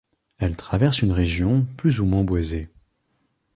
Elle traverse une région plus ou moins boisée.